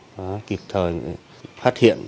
và kịp thời phát hiện